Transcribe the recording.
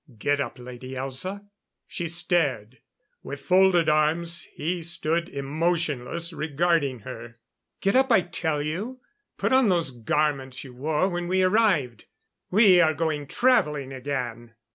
Get up, Lady Elza." She stared. With folded arms he stood emotionless regarding her. "Get up, I tell you. Put on those garments you wore when we arrived. We are going travelling again."